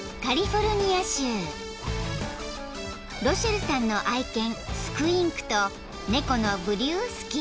［ロシェルさんの愛犬スクインクと猫のブリュースキー］